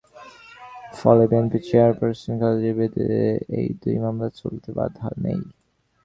ফলে বিএনপির চেয়ারপারসন খালেদা জিয়ার বিরুদ্ধে এই দুই মামলা চলতে বাধা নেই।